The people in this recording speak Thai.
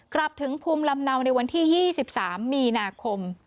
กลับถึงภูมิลำเนาในวันที่๒๓มีนาคม